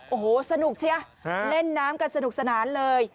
โอ้โหสนุกเชียเล่นน้ำกันสนุกสนานเลย